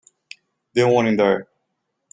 The one in there.